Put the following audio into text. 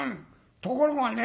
ところがね